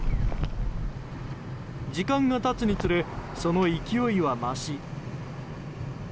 時間が経つにつれその勢いは増し。